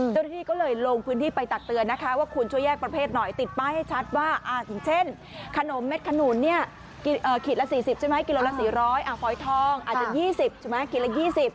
เจ้าหน้าที่ก็เลยลงพื้นที่ไปตักเตือนนะคะว่าคุณช่วยแยกประเภทหน่อยติดป้ายให้ชัดว่าอย่างเช่นขนมเม็ดขนุนเนี่ยขีดละ๔๐ใช่ไหมกิโลละ๔๐๐หอยทองอาจจะ๒๐ใช่ไหมขีดละ๒๐